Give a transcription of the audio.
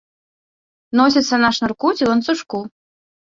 Носіцца на шнурку ці ланцужку.